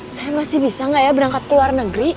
saya masih bisa nggak ya berangkat ke luar negeri